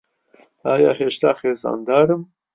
ئایا هێشتا خێزاندارم؟